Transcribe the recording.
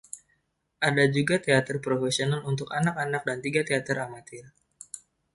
Ada juga teater profesional untuk anak-anak dan tiga teater amatir.